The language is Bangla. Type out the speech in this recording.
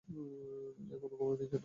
মিনা এখনো ঘুমায় নি কেন?